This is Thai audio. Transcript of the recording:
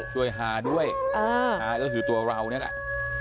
ฮาด้วยฮาก็คือตัวเรานี่แหละ